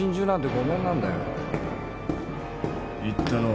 言ったろ。